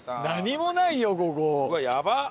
うわっやばっ！